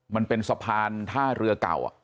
มันเป็นสะพานท่าเรือเก่า